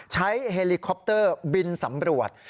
เฮลิคอปเตอร์บินสำรวจ